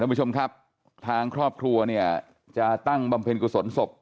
คุณผู้ชมครับทางครอบครัวเนี่ยจะตั้งบำเพ็ญกุศลศพ